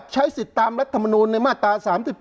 ใช้สิทธิ์ตามรัฐมนูลในมาตรา๓๗